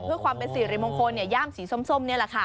เพื่อความเป็นสิริมงคลย่ามสีส้มนี่แหละค่ะ